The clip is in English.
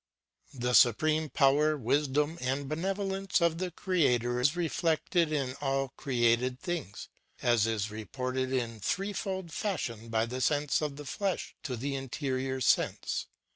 "" The supreme power, wisdom, and benevolence of the Creator is reflected in all created things, as is reported in threefold fashion by the sense of the flesh to the interior sense.